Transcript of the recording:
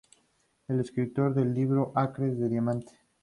Es escritor del libro "Acres de diamantes".